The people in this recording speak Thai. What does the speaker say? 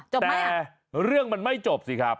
แต่เรื่องมันไม่จบสิครับ